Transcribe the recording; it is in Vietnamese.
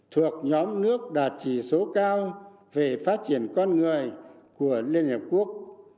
thuộc nhóm nước đạt chỉ số cao về phát triển con người của liên hiệp quốc